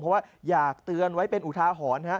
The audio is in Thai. เพราะว่าอยากเตือนไว้เป็นอุทาหรณ์